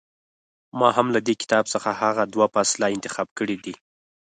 ما هم له دې کتاب څخه هغه دوه فصله انتخاب کړي دي.